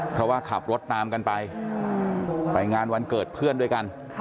เพราะว่าขับรถตามกันไปไปงานวันเกิดเพื่อนด้วยกัน